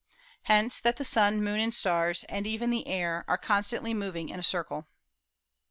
Hence that the sun, moon, and stars, and even the air, are constantly moving in a circle.